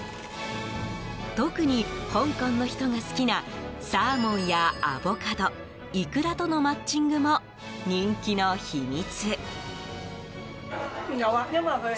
特に香港の人が好きなサーモンやアボカドイクラとのマッチングも人気の秘密。